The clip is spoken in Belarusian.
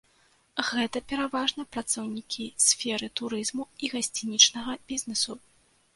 Гэта пераважна працаўнікі сферы турызму і гасцінічнага бізнэсу.